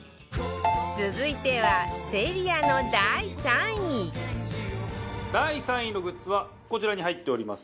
続いては Ｓｅｒｉａ の第３位第３位のグッズはこちらに入っております。